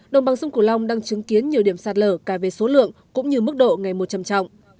đồng bằng sông cửu long đang chứng kiến nhiều điểm sạt lở cả về số lượng cũng như mức độ ngày mùa trầm trọng